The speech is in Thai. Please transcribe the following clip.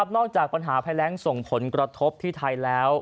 จากปัญหาภัยแรงส่งผลกระทบที่ไทยแล้ว